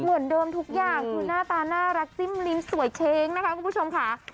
เหมือนเดิมทุกอย่างคือหน้าตาน่ารักจิ้มลิ้มสวยเช้งนะคะคุณผู้ชมค่ะ